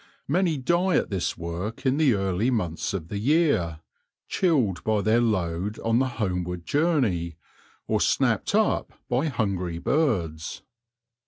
Many die at this work in the early months of the year, chilled by their load on the homeward journey, or snapped up by hungry birds.